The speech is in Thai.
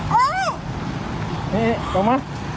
โอ๊ยเนี่ยเจ็บ